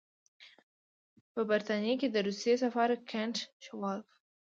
په برټانیه کې د روسیې سفیر کنټ شووالوف.